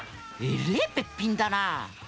えれえべっぴんだな。